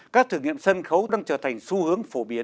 các thử nghiệm sân khấu đang trở thành xu hướng phổ biến